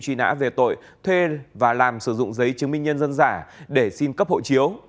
truy nã về tội thuê và làm sử dụng giấy chứng minh nhân dân giả để xin cấp hộ chiếu